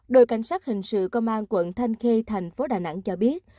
đội cảnh sát hình sự công an quận thanh khê thành phố đà nẵng cho biết